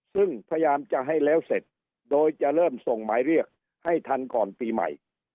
ซึ่งพยายามจะให้แล้วเสร็จโดยจะเริ่มส่งหมายเรียกให้ทันก่อนปีใหม่